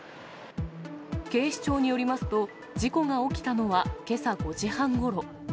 警視庁によりますと、事故が起きたのはけさ５時半ごろ。